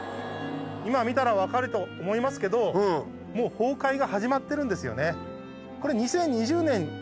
今見たら分かると思いますけど崩壊が始まってるんですよね。